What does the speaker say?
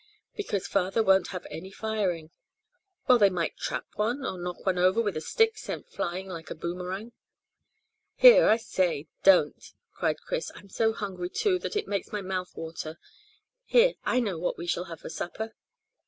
"Because father won't have any firing." "Well, they might trap one, or knock one over with a stick sent flying like a boomerang." "Here, I say, don't!" cried Chris. "I'm so hungry too that it makes my mouth water. Here, I know what we shall have for supper."